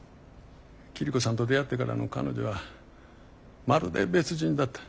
桐子さんと出会ってからの彼女はまるで別人だった。